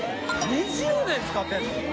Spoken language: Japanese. ２０年使ってんの？